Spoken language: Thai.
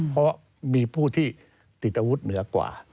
เพราะมีผู้ที่ติดอาวุธเหนือกว่า